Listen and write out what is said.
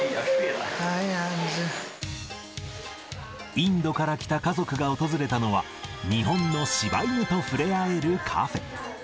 インドから来た家族が訪れたのは、日本のしば犬とふれあえるカフェ。